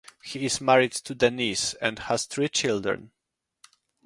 He is married to Denise and has three children.